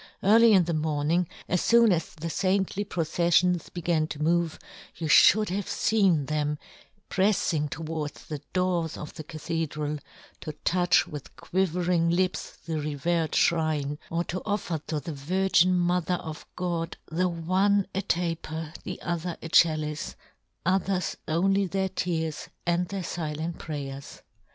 Early in the morning, as " foon as the faintly proceffions began " to move, you fhould have feen " them preffing towards the doors of " the Cathedral, to touch with qui " vering lips the revered flirine, or to " offer to the Virgin Mother of God, " the one a taper, the other a chalice, " others only their tears, and their " filent prayers.